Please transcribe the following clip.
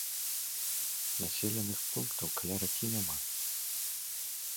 Населеных пунктаў каля ракі няма.